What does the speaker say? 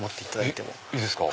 いいですか。